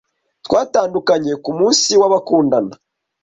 Twatandukanye ku munsi w'abakundana.